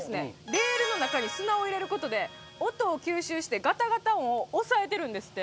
レールの中に砂を入れる事で音を吸収してガタガタ音を抑えてるんですって。